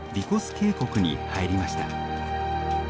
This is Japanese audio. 渓谷に入りました。